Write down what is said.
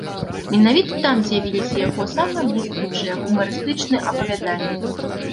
Менавіта там з'явіліся яго самыя бліскучыя гумарыстычныя апавяданні.